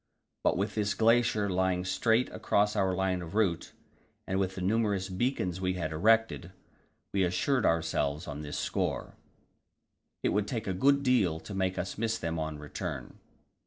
But with this glacier lying straight across our line of route, and with the numerous beacons we had erected, we reassured ourselves on this score. It would take a good deal to make us miss them on the return.